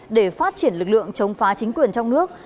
để phát triển lực lượng chống phá chính quyền trong nước